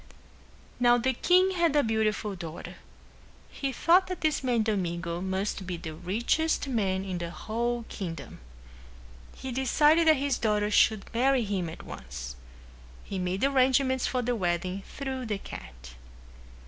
Now the king had a beautiful daughter. He thought that this man Domingo must be the richest man in the whole kingdom. He decided that his daughter should marry him at once. He made arrangements for the wedding through the cat.